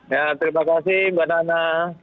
ya terima kasih mbak nana